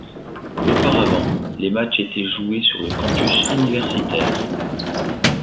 Auparavant les matchs étaient joués sur le campus universitaire.